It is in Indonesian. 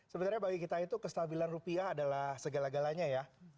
sebenarnya bagi kita itu kestabilan rupiah adalah segala galanya ya